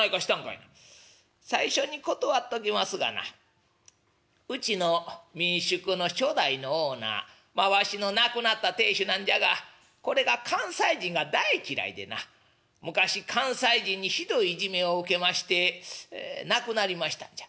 「最初に断っときますがなうちの民宿の初代のオーナーまあわしの亡くなった亭主なんじゃがこれが関西人が大嫌いでな昔関西人にひどいいじめを受けまして亡くなりましたんじゃ。